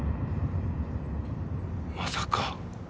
まさか。